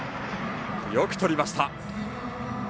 よくとりました！